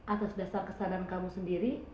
atas dasar kesadaran kamu sendiri